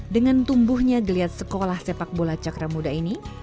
dengan tumbuhnya geliat sekolah sepakbola cakra muda ini